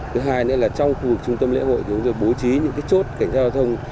thứ hai nữa là trong khu vực trung tâm lễ hội chúng tôi bố trí những chốt cảnh giao thông